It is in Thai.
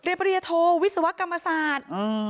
เรียนปริญญาโทวิศวกรรมศาสตร์